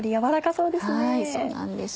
そうなんです。